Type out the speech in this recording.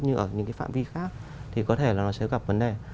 như ở những cái phạm vi khác thì có thể là nó sẽ gặp vấn đề